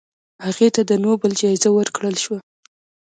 هغې ته د نوبل جایزه ورکړل شوه.